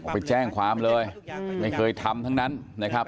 ไปแจ้งความเลยไม่เคยทำทั้งนั้นนะครับ